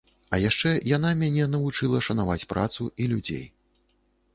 А яшчэ яна мяне навучыла шанаваць працу і людзей.